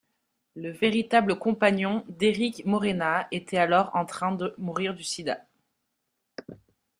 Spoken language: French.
Le véritable compagnon d'Éric Morena était alors en train de mourir du sida.